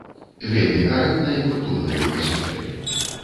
Вельмі карэктна і культурна мяне сустрэлі.